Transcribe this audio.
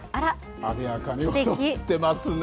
あでやかに踊ってますね。